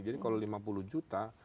jadi kalau lima puluh juta